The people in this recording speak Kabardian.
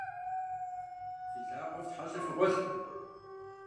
Фи лъакъуэр фтхьэщӏи фыгъуэлъ!